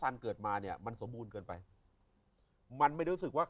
เรียนไปเถอะ